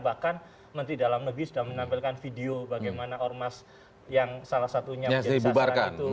bahkan menteri dalam negeri sudah menampilkan video bagaimana ormas yang salah satunya menjadi sasaran itu